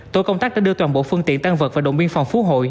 tổ công tác đã đưa toàn bộ phương tiện tăng vật vào đồng biên phòng phú hội